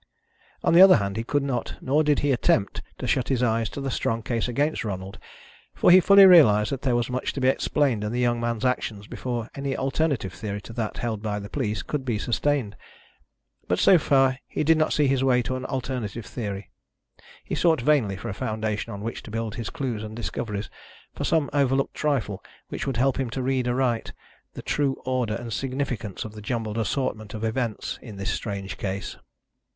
On the other hand, he could not, nor did he attempt, to shut his eyes to the strong case against Ronald, for he fully realised that there was much to be explained in the young man's actions before any alternative theory to that held by the police could be sustained. But so far he did not see his way to an alternative theory. He sought vainly for a foundation on which to build his clues and discoveries; for some overlooked trifle which would help him to read aright the true order and significance of the jumbled assortment of events in this strange case.